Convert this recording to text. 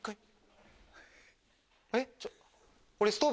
えっ？